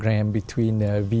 giữa trang trình tivi vm